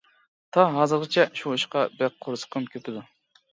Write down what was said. تا ھازىرغىچە شۇ ئىشقا بەك قورسىقىم كۆپىدۇ.